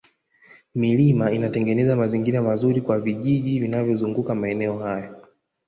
milima inatengeneza mazingira mazuri kwa vijiji vinavyozunguka maeneo hayo